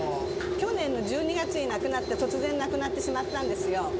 去年の１２月に亡くなって、突然、亡くなってしまったんですよ。